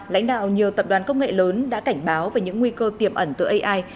lãnh đạo nhiều tập đoàn công nghệ lớn đã cảnh báo về những nguy cơ tiềm ẩn từ ai